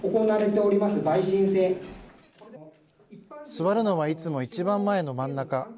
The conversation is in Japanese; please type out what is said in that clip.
座るのはいつも一番前の真ん中。